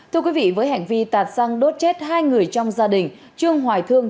thưa quý vị với hành vi tạt xăng đốt chết hai người trong gia đình trương hoài thương